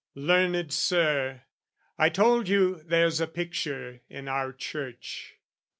Learned Sir, I told you there's a picture in our church.